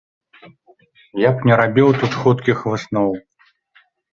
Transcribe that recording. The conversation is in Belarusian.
Я б не рабіў тут хуткіх высноў.